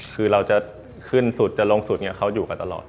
คือเราจะขึ้นสุดจะลงสุดเนี่ยเขาอยู่กันตลอด